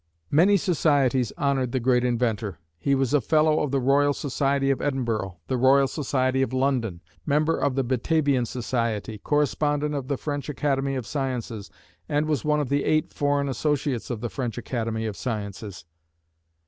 Many societies honored the great inventor. He was a fellow of the Royal Society of Edinburgh, the Royal Society of London, Member of the Batavian Society, correspondent of the French Academy of Sciences, and was one of the eight Foreign Associates of the French Academy of Sciences.